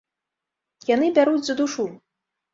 Яны бяруць за душу!